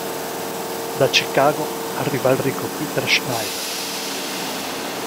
Da Chicago, arriva il ricco Peter Schneider.